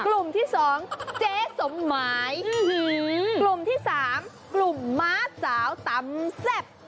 กลุ่มที่๒เจ๊สมหมายกลุ่มที่๓กลุ่มม้าสาวตำแซ่บ